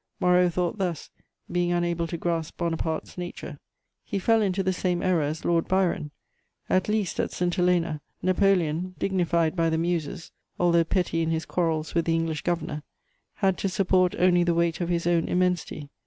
Moreau thought thus, being unable to grasp Bonaparte's nature; he fell into the same error as Lord Byron. At least, at St. Helena, Napoleon, dignified by the Muses, although petty in his quarrels with the English Governor, had to support only the weight of his own immensity.